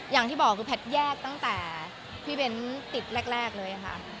อย่างที่บอกคือแพทย์แยกตั้งแต่พี่เบ้นติดแรกเลยค่ะ